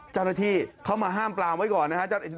เจ้าหน้าที่เข้ามาห้ามปลามไว้ก่อนนะครับ